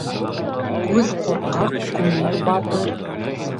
Күҙ ҡурҡаҡ, күңел батыр.